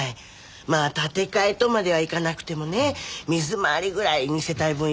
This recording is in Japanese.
まあ建て替えとまではいかなくてもね水回りぐらい二世帯分用意しないと。